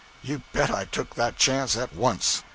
You bet i took that chance at once.